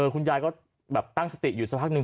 คุณยายก็ตั้งสติอยู่ทำอย่างภาพนึง